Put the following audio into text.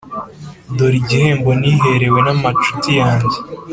Dore igihembo niherewe n’amacuti yanjye»,